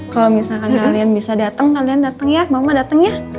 kalau misalkan kalian bisa datang kalian datang ya mama datang ya